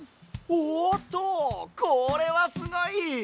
おおっとこれはすごい！